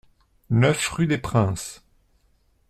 neuf rue Des Princes